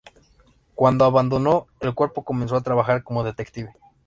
Cuando abandonó el cuerpo comenzó a trabajar como detective.